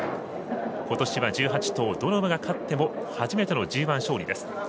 ことしは１８頭どの馬が勝っても初めてのＧＩ勝利です。